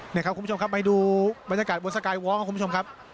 นี่ครับคุณผู้ชมครับไปดูบรรยากาศบนสกายวอล์ครับคุณผู้ชมครับ